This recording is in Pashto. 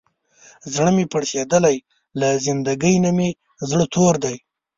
زړه مې پړسېدلی، له زندګۍ نه مې زړه تور دی.